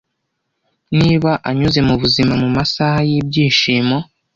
niba anyuze mubuzima mumasaha yibyishimo